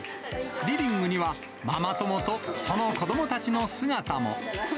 リビングにはママ友とその子どもたちの姿も。